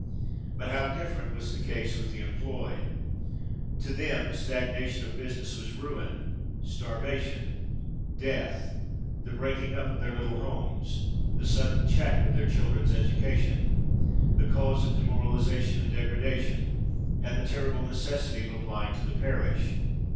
But how different was the case with the employed! To them stagnation of business was ruin—starvation—death;—the breaking up of their little homes—the sudden check of their children's education—the cause of demoralisation and degradation—and the terrible necessity of applying to the parish!